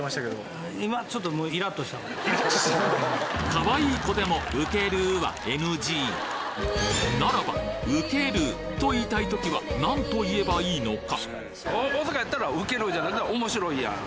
かわいい子でもウケるはＮＧならばウケると言いたい時はなんと言えばいいのか？